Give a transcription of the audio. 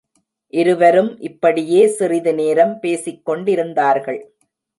இருவரும் இப்படியே சிறிது நேரம் பேசிக்கொண்டிருந்தார்கள்.